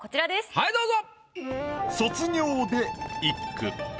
はいどうぞ。